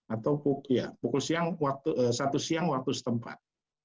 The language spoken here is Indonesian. atau ya pukul siang satu siang waktu setempat